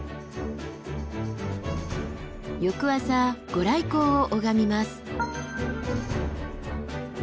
翌朝御来光を拝みます。